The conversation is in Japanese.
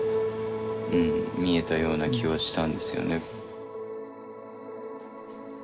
うん見えたような気はしたんですよね。